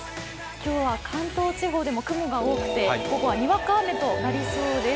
今日は関東地方でも雲が多くて、午後はにわか雨となりそうです。